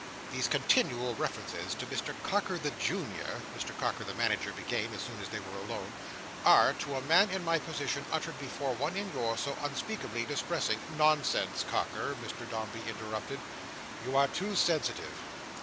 "These continual references to Mr Carker the Junior," Mr Carker the Manager began, as soon as they were alone, "are, to a man in my position, uttered before one in yours, so unspeakably distressing—" "Nonsense, Carker," Mr Dombey interrupted. "You are too sensitive."